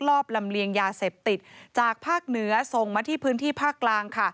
อบลำเลียงยาเสพติดจากภาคเหนือส่งมาที่พื้นที่ภาคกลางค่ะ